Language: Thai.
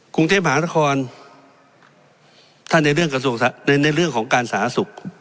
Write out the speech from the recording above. กรุงเทพมหานครถ้าในเรื่องของการสาธารณสุข